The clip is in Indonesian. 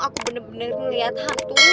aku bener bener liat hantu